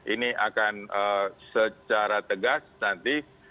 ini akan secara tegas nanti